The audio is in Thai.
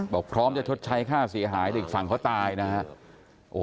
บอกพร้อมจะชดใช้ค่าเสียหายแต่อีกฝั่งเขาตายนะฮะ